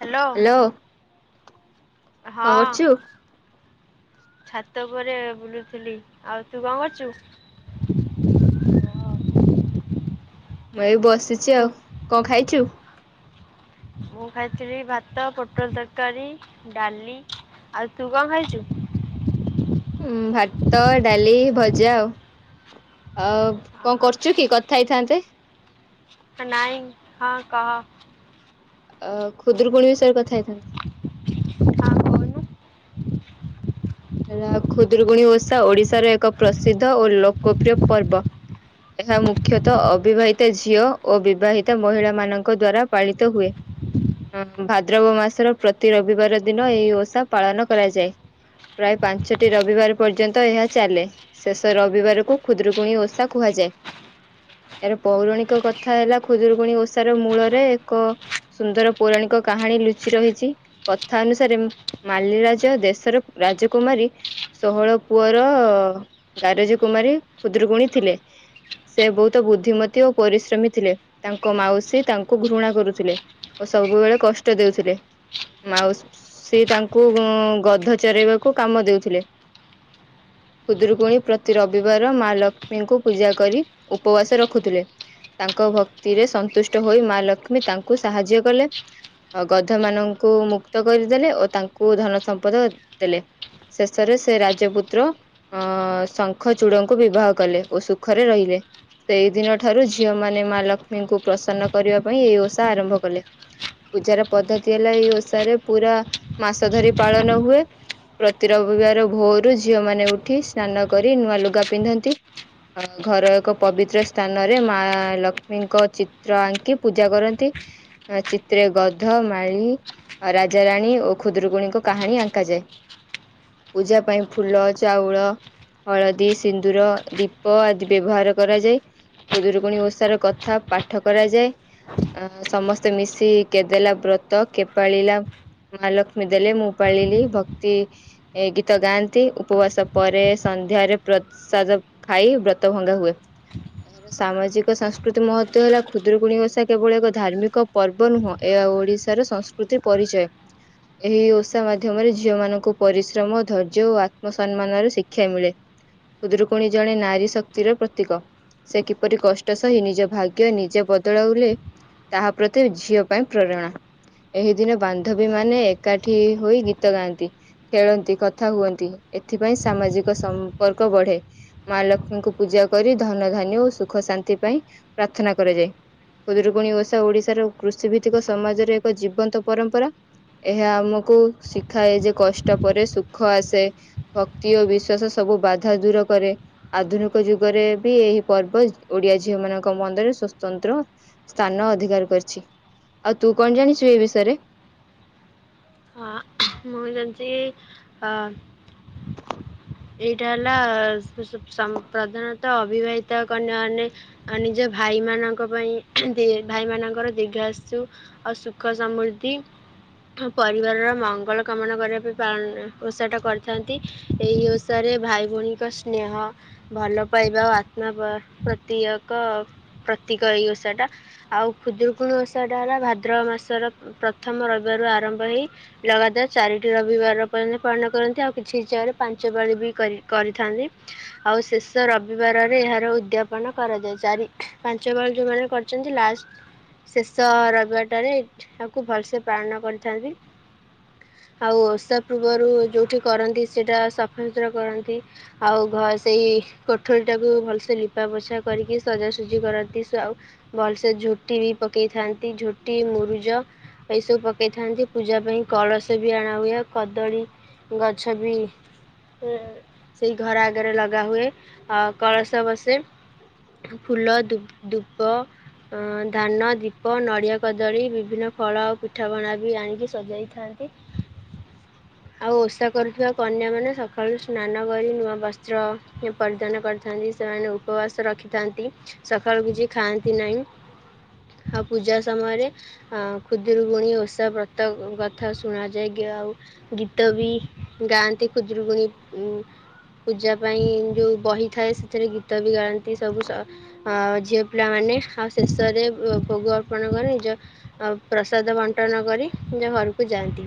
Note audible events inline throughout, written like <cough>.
Hello. କଣ ହଁ। କରୁଛୁ? ଛାତ ଉପରେ ବୁଲୁଥିଲି ଆଉ ତୁ କଣ କରୁଛୁ? ମୁଁ ଏବେ ବସିଛି ତୁ ଆଉ କଣ ଖାଇଛୁ? ମୁଁ ଖାଇଥିଲି ଭାତ ପୋଟଳ ତରକାରୀ ଡାଲି। ଆଉ ତୁ କଣ ଖାଇଛୁ। ଭାତ ଡାଲି ଭଜା ଆଉ ଆଉ କଣ ଓହୋ କରୁଛୁ କି କଥା ହେଇଥାନ୍ତେ। ହ ନାଇଁ ହଁ କ। ଅ ଖୁଦରୁକୁଣ ବିଷରେ କଥା ହେଇଥାନ୍ତେ। ତାପ ହେଲା ଖୁଦରଗୁଣୀ ଓଷା ଓଡିଶାର ଏକ ପ୍ରସିଦ୍ଧ ଓ ଲୋକପ୍ରିୟ ପର୍ବ। ଏହା ମୁଖ୍ୟତଃ ଅବିବାହିତ ଝିଅ ଓ ବିବାହିତ ମହିଳା ମାନଙ୍କ ଦ୍ଵାରା ପାଳିତ ହୁଏ। ଅ ଭାଦ୍ରବ ମାସର ପ୍ରତି ରବିବାର ଦିନ ଏହିଇ ଓଷା ପାଳନ କରାଯାଏ। ପ୍ରାୟ ପାଞ୍ଚଟି ରବିବାର ପର୍ଯ୍ୟନ୍ତ ଏହା ଚାଲେ ଶେଷ ରବିବାରକୁ ଖଷୁଦ୍ରରୁକୁଣୀ ଓଷା କୁହାଯାଏ। ଏହାର ପୌରାଣିକ କଥା ହେଲା ଖୁଜୁରକୁଣୀ ଓଷାର ମୂଳରେ ଏକ ସୁନ୍ଦର ପୌରାଣିକ ଏକ କାହାଣୀ ଲୁଚି ରହିଛି କଥା ଅନୁସାରେ ମାଲିରାଜ ଦେଶର ରାଜକୁମାରୀ ଷୋହଳ ପୁଅର ଗାରଜ କୁମାରୀ ଖ୍ଷୁଦ୍ର ଗୁଣୀ ଥିଲେ। ସେ ବହୁତ ବୁଦ୍ଧିମତୀ ଓ ପରିଶ୍ରମୀ ଥିଲେ ତାଙ୍କ ମାଉସୀ ତାଙ୍କୁ ଘୃଣା କରୁଥିଲେ। ସବୁବେଳେ କଷ୍ଟ ଦଉଥିଲେ ମାଉସି ତାଙ୍କୁ ଗଧ ପଚରାଇବାକୁ କାମ ଦେଉଥିଲେ। କୁଦରୁକୁଣୀ ପ୍ରତି ରବିବାର ମା ଲକ୍ଷ୍ମୀଙ୍କୁ ପୂଜା କରି ଉପବାସ ରଖୁଥିଲେ। ତାଙ୍କ ଭକ୍ତିରେ ସନ୍ତୁଷ୍ଟ ହୋଇ ମା ଲକ୍ଷ୍ମୀ ତାଙ୍କୁ ସାହାଯ୍ୟ କଲେ। ଗଧ ମାନଙ୍କୁ ମୁକ୍ତ କରିଦେଲେ ଓ ତାଙ୍କୁ ଧନ ସମ୍ପଦ ଦେଲେ। ଶେଷରେ ସେ ରାଜପୁତ୍ର ଅ ଶଙ୍ଖ ଚୂଡଙ୍କୁ ବିବାହ କଲେ ଓ ସୁଖରେ ରହିଲେ। ସେଇଦିନ ଠାରୁ ଝିଅ ମାନ ମା ଲକ୍ଷ୍ମୀଙ୍କୁ ପ୍ରସନ୍ନ କରିବା ପାଇଁ ଏଇ ଓଷା ଆରମ୍ଭ କଲେ ପୂଜାର ପଦ୍ଧତି ହେଲା ଏଇ ଓଷାରେ ପୁରା ମାସ ଧରି ପାଳନ ହୁଏ। ପ୍ରତି ରବିବାର ଭୋରୁ ଝିଅ ମାନେ ଉଠି ସ୍ନାନ କରି ନୂଆ ଲୁଗା ପିନ୍ଧନ୍ତି। ଅ ଘର ଏକ ପବିତ୍ର ସ୍ଥାନରେ ମା ଲକ୍ଷ୍ମୀଙ୍କ ଚିତ୍ର ଆଙ୍କି ପୂଜା କରନ୍ତି। ଚିତ୍ରରେ ଗଧ ମାଳି। ରାଜାରାଣୀ ଓ ଖୁଦ୍ରକୁୁଣୀଙ୍କ କାହାଣୀ ଆଙ୍କ ଯାଏ ପୂଜା ପାଇଁ ଫୁଲ ଚାଉଳ ହଳଦୀ ସିନ୍ଦୁର ଦୀପ ଆଦି ବ୍ୟବହାର କରାଯାଏ। କୁଦୁରୁକୁଣୀ ଓଷାର କଥା ପାଠ କରାଯାଏ। ଅ ସମସ୍ତେ ମିଶି କେଦେଲା ବ୍ରତ କେପାଳିଲା ମହାଲକ୍ଷ୍ମି ଦେଲେ ମୁୂପାଳି ଭକ୍ତ ଗୀତ ଗାଆନ୍ତି ଉପବାସ ପରେ ସନ୍ଧ୍ୟାରେ ପ୍ରସାଦ ଖାଇ ବ୍ର ତ ଭଙ୍ଗା ହୁଏ। ଏହାର ସାମାଜିକ ସଂଂସ୍କୃତି ମହତ୍ବ ହେଲା ଖୁଦରୁକୁଣୀଙ୍କ ସହ କେବଳ ଏକ ଧାର୍ମିକ ପର୍ବ ନୁହଁ ଏହା ଓଡିଶାର ସଂସ୍କୃତି ପରିଚୟ ଏହି ଓଷା ମାଧ୍ୟମରେ ଝି ଝିଅ ମାନଙ୍କୁ ପରିଶ୍ରମ ଧର୍ଯ୍ୟ ଓ ଆତ୍ମସମ୍ମାନରେ ଶିକ୍ଷା ମିଳେ। ଖୁଦୁରୁକୁଣୀ ଜଣେ ନାରୀ ଶକ୍ତିର ପ୍ରତୀକ। ସେ କିପରି କଷ୍ଟ ସହି ନିଜ ଭାଗ୍ୟ ନିଜେ ବଦଳାଉଲେ ତାହା ପ୍ରତି ଝିଅ ପାଇଁ ପ୍ରେରଣା ଏହି ଦିନ ବାନ୍ଧବୀ ମାନେ ଏକାଠି ହୋଇ ଗୀ ଗୀତ ଗାଆନ୍ତି ଖେଳନ୍ତି କଥା ହୁଅନ୍ତି ଏଥିପାଇଁ ସାମାଜିକ ସମ୍ପର୍କ ବଢେ ମା ମା ଲକ୍ଷ୍ମୀଙ୍କୁ ପୂଜା କରି ଧନ ଧାନ୍ୟ ଓ ସୁଖ ଶାନ୍ତି ପାଇଁ ପ୍ରାର୍ଥନା କରାଯାଏ। ଖୁଦୁରୁକୁଣୀ ଓଷା ଓଡିଶାର କୃଷିଭିତ୍ତିକ ସମାଜରେ ଏକ ଜୀବନ୍ତ ପରମ୍ପରା। ଏହା ଆମକୁ ଶି ଖାଏ ଯେ କଷ୍ଟ ପରେ ସୁଖ ଆସେ ଭକ୍ତି ଓ ବିଶ୍ଵାସ ସବୁ ବାଧା ଦୂର କରେ। ଆଧୁନିକ ଯୁଗରେ ବି ଏହି ପର୍ବ ଓଡିଆ ଝିଅ ମାନଙ୍କ ମଧ୍ୟରେ ସ୍ଵତନ୍ତ୍ର ସ୍ଥାନ ଅଧିକାର କରିଛି ଆଉ ତୁ କଣ ଜାଣିଛୁ ଏ ବିଷୟରେ? ହଁ ମୁଁ ଜାଣିଛି ଅ ଏଇଟା ହେଲା ସ ସ ସମ୍ ପ୍ରଧାନତଃ ଅବିବାହିତା କନ୍ୟା ମାନେ ଅ ନିଜ ଭା ଭାଇମାନଙ୍କ ପାଇଁ ଦୀ ଭାଇମାନଙ୍କର ଦୀର୍ଘାସୁ ଆଉ ସୁଖ ସମୃଦ୍ଧି ପରିବାରର ମଙ୍ଗଳ କାମନା କରିବା ପାଇଁ ପାଳ ଓଷାଟା କରିଥାନ୍ତି ଏଇ ଓଷ ଷାରେ ଭାଇ ଭଉଣୀଙ୍କ ସ୍ନେହ ଭଲ ପାଇବା ଓ ଆତ୍ମା ପା ପ୍ରତୀୟକ ପ୍ରତୀକ ଏଇ ଓଷା ଟା ଆଉ ଖୁଦୁରୁକୁଣୀ ଓଷା ଟା ହେଲା ଭାଦ୍ରବ ମାସର ପ୍ରଥମ ରବିବା ରୁ ଆରମ୍ଭ ହେଇ ଲଗାଦାର ଚାରିଟି ରବିବାର ପର୍ଯ୍ୟ ପାଳନ କରନ୍ତି ଆଉ କିଛି ହିସାବରେ ପାଞ୍ଚ ଯେତେବେଳେ ବି କରି କରିଥାନ୍ତି ଆଉ ଶେଷ ରବିବାରରେ ଏହାର ଉଦ୍ଯାପନ କରାଯାଏ ଚାରି ପାଞ୍ଚ ପାଳି ଯୋଉମାନେ କରିଛନ୍ତି ଲାଷ୍ଟ୍। ଶେଷ ରବିବାର ପ୍ୟାରେଡ୍ ତାଙ୍କୁ ଭଲସେ ପାଳନ କରିଥାନ୍ତି। ଆଉ ଓଷା ପୂର୍ବରୁ ଯୋଉଠି କରନ୍ତି ସେଇଟା ସ ସଫାସୁତୁରା କରନ୍ତି ଆଉ ଘ ସେଇ କୋଠରୀ ଟାକୁ ଭଲସେ ଲିପା ପୋଛା କରିକି ସଜା ସୁଜି କରାନ୍ତି ସୋ ଆଉ ଭଲସେ ଝୋଟି ବି ପକେଇଥାନ୍ତି ଝୋଟି ମୁରୁଜ ଏଇ ସବୁ ପକେଇଥାନ୍ତି ପୂଜା ପାଇଁ କଳସ ବି ଆଣାହୁଏ ଆଉ କଦଳୀ। ଗଛ ବି ହୁଁ ସେଇ ଘର ଆଗରେ ଲଗା ହୁଏ ଅ କଳସ ବସେ। ଫୁଲ ଦୁବ୍ ଦୁବ। ଅଁ ଧାନ ଦୀପ ନଡ଼ିଆ କଦଳୀ ବିଭିନ୍ନ ଫଳ ଆଉ ପିଠାପଣା ବି ଆଣିକି ସଜାଇଥାନ୍ତି। ଆଉ ଓଷା କରୁଥିବା କନ୍ୟା ମାନେ ସବ ସକାଳୁ ସ୍ନାନ କରି ନୂଆ ବସ୍ତ୍ର ପରିଧାନ କରିଥାନ୍ତି ସେମାନେ ଉପବାସ ରଖିଥାନ୍ତି। ସକାଳୁକୁ ଯିଏ ଖାଆନ୍ତି ନାହିଁ ଆଉ ପୂଜା ସମୟରେ ଅ ଖୁଦୁରୁକୁଣୀ ଓଷା ବ୍ରତ କଥା ଶୁଣାଯାଏ ଟିକେ। ଆଉ ଗୀତ ବି ଗାଆନ୍ତି ଖୁଦୁରୁକୁୁଣୀ ଉଁ। ପୂଜା ପାଇଁ ଯୋଉ ବହିଥାଏ ସେଥିରେ ଗୀତ ବି ଗାଆନ୍ତି ସବୁ ସ ଅ ଝିଅ ପିଲାମାନେ ନେ ଆଉ ଶେଷରେ ଭୋଗ ଅର୍ପଣ କରି ନିଜ ପ୍ରସାଦ ବଣ୍ଟନ କରି ନିଜ ଘ ରୁକୁ ଯାଆନ୍ତି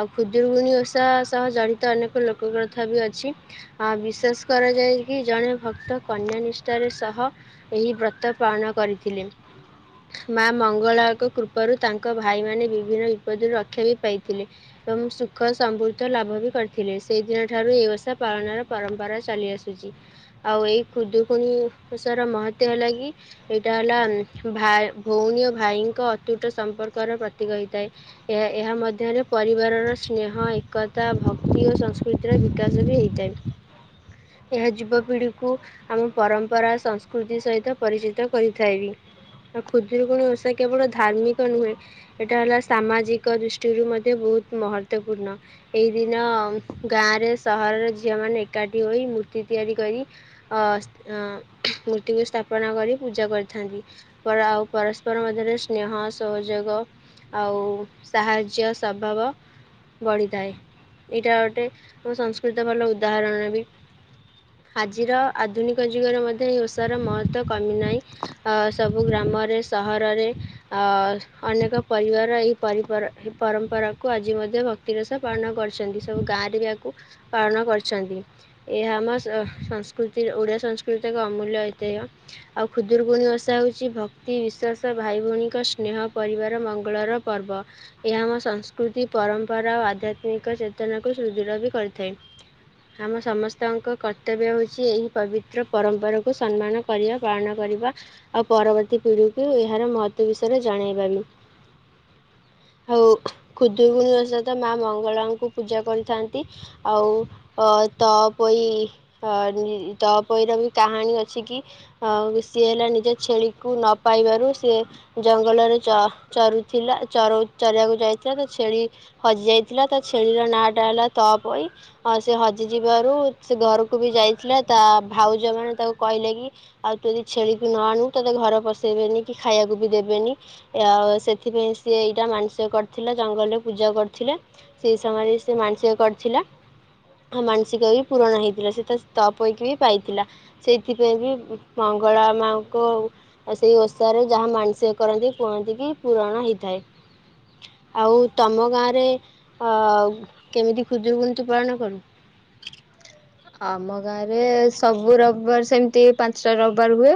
ଆଉ ଖୁଦୁରୁକୁଣୀ ଓଷା ସହ ଜଡିତ ଅ ଲୋକକଥା ବି ଅଛି ଆଉ ବିଶ୍ୱାସ କରାଯାଏ କି ଜଣେ ଭକ୍ତ କନ୍ୟା ନିଷ୍ଠାର ସହ ଏହି ବ୍ରତ ପାଳନ କରିଥିଲେ। ମା ମଙ୍ଗଳାଙ୍କ କୃପାରୁ ତାଙ୍କ ଭାଇମାନେ ବିଭିନ୍ନ ବିପଦରୁ ରକ୍ଷା ବି ପାଇଥିଲେ। ଏବଂ ସୁଖ ସମୃଦ୍ଧ ଲାଭ ବି କରିଥିଲେ ସେ ସେଇ ଦିନ ଠାରୁ ଏ ଓଷା ପାଳନର ପରମ୍ପରା ଚାଲି ଆସୁଛି ଆଉ ଏଇ ଖୁଦୁକୁଣୀ ଓଷା ର ମହତ୍ଵ ହେଲା କି ଏଇଟା ହେଲା ଉଁ ଭା ଭଉଣୀ ଓ ଭାଇଙ୍କ ଅତୁଟ ସମ୍ପର୍କର ର ପ୍ରତୀକ ହେଇଥାଏ ଏହା ଏହା ମଧ୍ୟରେ ପରିବାରର ସ୍ନେହ ଏକତା ଭକ୍ତି ଓ ସଂସ୍କୃ ସଂସ୍କୃତିର ବିକାଶ ବି ହେଇଥାଏ। ଏହା ଯୁବପିଢ଼ିକୁ ଆମ ପରମ୍ପରା ସଂସ୍କୃତି ସହିତ ପରିଚିତ କରିଥାଏବି। ଖୁଦୁରୁକୁଣୀ ଓଷା କେବଳ ଧାର୍ମିକ ନୁହେଁ ଏଇଟା ହେଲା ସାମାଜିକ ଦୃଷ୍ଟିରୁ ମଧ୍ୟ ବ ବହୁତ ମହତ୍ତ୍ଵପୂର୍ଣ୍ଣ ଏହି ଦିନ ଗାଁରେ ସହରରେ ଝିଅମାନେ ଏକାଠି ହୋଇ ମୂର୍ତ୍ତି ତିଆରି କରି ଅ ମୂର୍ତ୍ତିକୁ ସ୍ଥାପନା କରି ପୂଜା କରିଥାନ୍ତି ଆଉ ପରସ୍ପର ମଧ୍ୟରେ ସ୍ନେହ ସହଯୋଗ ଆଉ ସାହାଯ୍ୟ ସ୍ୱଭାବ ବଢ଼ିଥାଏ ଏଇଟା ଗୋଟେ ଆମ ସଂସ୍କୃତି ଭଲ ଉଦାହରଣ ବି ଆଜିର ଆଧୁନିକ ଯୁଗରେ ମଧ୍ୟ ଏହି ଓଷାର ମହତଵ କମି ନାହିଁ ଅ ସବୁ ଗ୍ରାମ ଗ୍ରାମରେ ସହରରେ ଅ ଅନେକ ପରିବାର ଏଇ ପରମ୍ପରାକୁ ଆଜି ଆ ମଧ୍ୟ ଭକ୍ତିର ସହ ପାଳନ କରିଛନ୍ତି ସବୁ ଗାଁରେ କୁ ପାଳନ କରିଛନ୍ତି ଏହା ଆମ ସଂସ୍କୃତି ଓଡ଼ିଆ ସଂସ୍କୃତି ଏକ ଅମୂଲ୍ୟ ଏତ ଆଉ ଖୁଦୁରୁକୁୁଣୀ ଓଷା ହେଉଛି ଭକ୍ତି ବିଶ୍ୱାସ ଭାଇଭଉଣୀଙ୍କ ସ୍ନେହ ପରିବାର ମଙ୍ଗଳର ପର୍ବ ଏହା ଆମ ସଂସ୍କୃତି ପରମ୍ପରା ଓ ଆଧ୍ୟାତ୍ମିକ ଚେତନାକୁ ସୁଦୂଢ ବି କରିଥାଏ ଆମ ସମସ୍ତଙ୍କ କର୍ତ୍ତବ୍ୟ ହଉଛି ଏହି ପବିତ୍ର ପରମ୍ପରାକୁ ସମ୍ମାନ କରିବା ପାଳନ କରିବା ଆଉ ପରବର୍ତ୍ତୀ ପିଢିକୁ ଏହାର ମହତଵ ବିଷୟରେ ଜଣେଇବା ବି? ହଉ ଖୁଦୁକୁୁଣୀ ଓସା ତ ମା ମଙ୍ଗଳାଙ୍କୁ ପୂଜା କରି ଥାନ୍ତି ଆଉ ତ ପୋଇ ର ବି କାହାଣୀ ଛି ସେ ହେଲା ନିଜ ଛେଳିକୁ ନ ପାଇବାରୁ ସେ ଜଙ୍ଗଲରେ ଚରୁଥିଲା ଚର ଚରେବାକୁ ଯାଇଥିଲା ତ ଛେଳି ହଜି ଯାଇଥିଲା ତା ଛେଳିର ନା ହେଲା ତ ପୋଇ ସେ ହଜିଯିବାରୁ ସେ ଘରକୁ ବି ଯାଇଥିଲା ତା ଭାଉଜ ମାନ ତାକୁ କହିଲେ କି ଆଉ ତୁ ଯଦି ଛେଳିକୁ ନ ଆଣୁ ତତେ ଘର ପସେଇବେନି କି ଖାଇବାକୁ ବି ଦେବେନି ଆଉ ସେଥିପାଇଁ ସିଏ ଏଇଟା ମାନସିକ କରିଥିଲା ଜଙ୍ଗଲରେ ପୂଜା କରିୁଥିଲେ ସେଇ ସମୟରେ ସେ ମାନସିକ କରିଥିଲା ଆ ମାନସିକ ବି ପୂୁରଣ ହେଇଥିଲା ସେ ତା ତପୋଇକି ବି ପାଇଥିଲା ସେଇଥିପାଇଁ ବି ମଙ୍ଗଳା ମାଙ୍କୁ ଆଉ ସେଇ ଓଷାରେ ଯାହା ମନସିକ କରନ୍ତି କୁହନ୍ତି କି ପୁରଣ ହେଇଥାଏ ଆଉ ତମ ଗାଁରେ ଅ କେମିତି ଖୁଦୁରୁକୁନି ପାଳନ କରୁ? ଆମ ଗାଁରେ ସବୁ ରବିବାର ସେମିତି ପାଞ୍ଚଟା ରବିବାର ହୁଏ।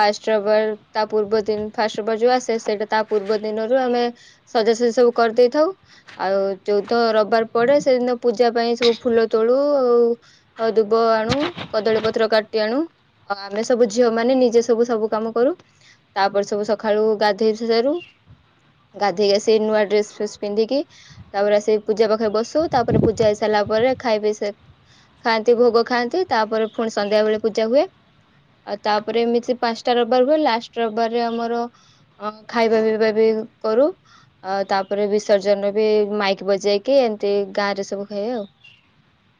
ଫାଷ୍ଟ ରବ୍ ବାରେ ଯୋଉ ଆସେ ତା ପୂର୍ବ ଦିନ ଫାଷ୍ଟଭର ଯୋଉ ଆସେ ସେଇଟା ତା ପୂର୍ବ ଦିନରୁ ଆମେ ସଜା ସେ ସବୁ କରିଦେଇଥାଉ ଆଉ ଚଉଦ ରବିବାର ପଡେ ସେଦିନ ପୂଜା ପାଇଁ ସବୁ ଫୁଲ ତୋଳୁ ହଉ ଦୁବ ଆଣୁ କଦଳୀ ପତ୍ର କାଟି ଆଣୁ ଅ ଆମେ ସବୁ ଝିଅ ମାନେ ନିଜେ ସବୁ ସବୁ କାମ କରୁ ତାପରେ ସବୁ ସକାଳୁ ଗାଧୋଇ ସାରୁ ଗାଧେଇକି ଆସିଇ ନୂଆ ଡ୍ରେସ ଫେସ୍ ପିନ୍ଧିକି ତାପରେ ଆସିକି ପୂଜା ପାଖରେ ବସୁ ତାପରେ ପୂଜା ହେଇସାରିଲା ତାପରେ ଖାଇବେ ସେ ଖାଆନ୍ତି ଭୋଗ ଖାଆନ୍ତି ତାପରେ ପୁଣି ସନ୍ଧ୍ୟା ବେଳେ ପୂଜା ହୁଏ ଆଉ ତାପରେ ଏମିତି ପାଞ୍ଚଟା ରବିବାର ହୁ ଲାଷ୍ଟ ରବିବାରରେ ଆମର ଅ ଖାଇବା ପିଇବା ବି କରୁ ଆ ତାପରେ ବିସର୍ଜନ ବି ମାଇକ ବଜେଇକି ଏମିତି ଗାଁ ରେ ସବୁ ଖାଇ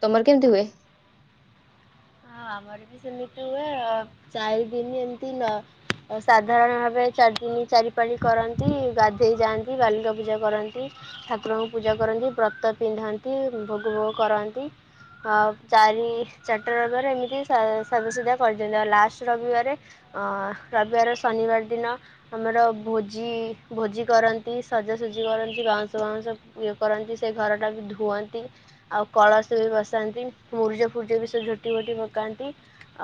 ତମର କେମିତି ହୁଏ? ହଁ ଆମର ବି ସେମିତି ହୁଏ ଚାରି ଦିନ ଏମ୍ତି ନ ସାଧାରଣ ଭାବେ ଚାରିଦିନ ଚାରିପାଳି କରନ୍ତି ଗାଧୋଇ ଯାଆନ୍ତି, ବାଲୁକା ପୂଜା କରନ୍ତି ଠାକୁରଙ୍କୁ ପୂଜା କରନ୍ତି ବ୍ରତ ପିନ୍ଧନ୍ତି ଭୋଗ ଭୋଗ କରନ୍ତି ଆ ଚାରି ଚାର୍ ଟା ଏମିତି ସା ସାଜ ସଜା କରିଛନ୍ତି ଆଉ ଲାଷ୍ଟ ରବିବାର ରବିବାର ଶନିବାର ଦିନ ଆମର ଭୋଜି ଭୋଜି ରନ୍ତି ସାଜ ସଜି କରନ୍ତି ବାଉ ବାଉ କର ସେ ଘରଟା ବି ଧୁ ଆଉ କଳସ ବି ବସାନ୍ତି ମୁରୁଜ ଫୁରୁଜ ବି ଝୋଟି ଗୋଟି ପକାନ୍ତି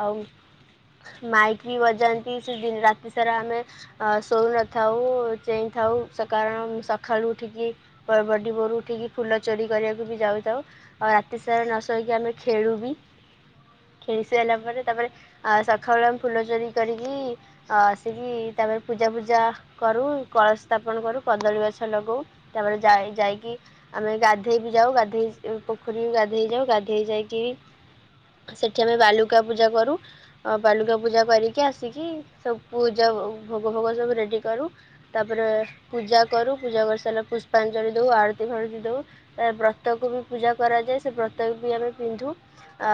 ଆଉ ମାଇକ ବଜାନ୍ତି ସେ ଦିନ ରାତି ସାରା ଆମେ ଶୋଇଉ ନଥାଉ ଚେଁଞ୍ ଥାଉ ସେ କାରଣ ସକାଳୁ ଉଠିକି ବଡ଼ି ବୋରୁ ଠିକି ଫୁଲ ଚୋରି କରିବାକୁ ବି ଯାଉଥାଉ ଆଉ ରାତିସାରା ନସୋଇକି ଆମେ ଖେଳୁ ବି ଖେଳି ସାରିଲା ପରେ ତାପରେ ଆ ସକାଳୁ ଆମେ ଫୁଲ ଚୋରି କରିକି ଆସିକି ତାପରେ ପୂଜା <unintelligible> ପୂଜା କରୁ କଳସ ସ୍ଥାପନ କରୁ କଦଳୀ ଗଛ ଲଗଉ ତାପରେ ଯାଇ ଯାଇକି ଆମେ ଗାଧେଇ ବି ଯାଉ ଗାଧେଇ ପୋଖରୀ ବି ଗାଧେଇ ଯାଉ ଗାଧେଇ ଯାଇକି ସେଠି ଆମେ ବାଲୁକା ପୂଜା କରୁ। ଅ ବାଲୁକା ପୂଜା କରିକି ଆସିକି ସବୁ ପୂଜା ଭୋଗ ଭୋଗ ସବୁ ରେଡ଼ି କରୁ ତାପରେ ପୂଜା କରୁ ପୂଜା କରି ସାରିଲା ପୁଷ୍ପାଞ୍ଜଳି ଦଉ ଆରତି ଫାଳତି ଦଉ ବ୍ରତକୁ ବି ପୂଜା ପୂଜା କରାଯାଏ ସେ ବ୍ରତ ବି ଆମେ ପିନ୍ଧୁ ଆ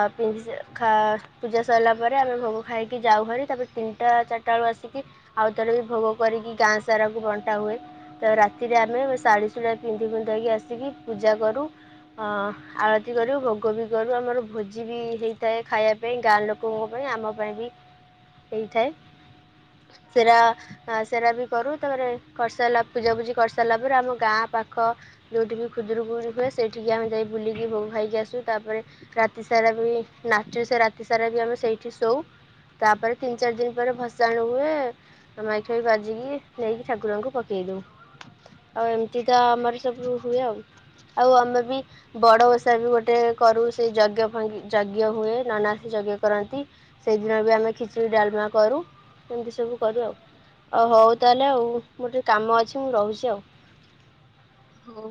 ଖା ପୂଜା ସରିଲା ପରେ ଆମେ ଭୋଗ ଖାଇକି ଯାଉ ହେରି ତାପରେ ତିନିଟା ଚାରିଟା ବେଳୁ ଆସିକି ଆଉ ଯେତେବେଳେ ବି ଭୋଗ କରିକି ଗାଁ ସାରାକୁ ବଣ୍ଟା ହୁଏ ତ ରାତିରେ ଆମେ ଶାଢ଼ୀ ଶୁଢା ପିନ୍ଧି ପିନ୍ଧି ଯାଇକି ଆସିକି ପୂଜା କରୁ ହଁ ଆଳତି କରୁ ଭୋଗ ବି କରୁ ଆମର ଭୋ ହେଇଥାଏ ଖାଇବା ପାଇଁ ଗାଁ ଲୋକଙ୍କ ପାଇଁ ଆମ ପାଇଁ ବି ହେଇଥାଏ। ସେରା ସେରା ବି କରୁ ତାପରେ କରିସାରିଲା ପୂଜାପୂଜି କରିସାରିଲା ପରେ ଆମ ଗାଁ ପାଖ ଯୋଉଠିକି ଖୁଦୁରୁକୁଣୀ ହୁଏ। ସେଇଠିକି ଆମେ ଯାଇ ବୁଲିକି ଭୋଗ ଖାଇକି ଆସୁ ତାପରେ ରା ରାତି ସାରା ବି ନାଚୁ ସେ ରାତି ସାରା ବି ଆମେ ସେଇଠି ଶୋଉ। ତାପରେ ତିନି ଚାରି ଦିନ୍ ପରେ ଭସାଣି ହୁଏ। ତ ମାଇକି ଫାଇକି ବାଜିକି ନେଇକି ଠାକୁରଙ୍କୁ ପକେଇ ଦଉ। ଆଉ ଏମତି ତ ଆମର ସବୁ ହୁଏ ଆଉ। ଆଉ ଆମେ ବି ବଡ଼ ଓଷା ବି ଗୋଟେ କରୁ ସେଇ ଯଜ୍ଞ ଯଜ୍ଞ ହୁଏ ନନା ବି ଯଜ୍ଞ କରନ୍ତି ସେଇଦିନ ବି ଆମେ ଖିଚୁଡ଼ି ଡ଼ାଲମା କରୁ। ଏମିତି ସବୁ କରୁ ଆଉ ଆଉ ହଉ ତାହେଲେ ଆଉ ମୋର ଟିକେ କାମ ଅଛି ମୁଁ ରହୁଛି ଆଉ। ହଉ।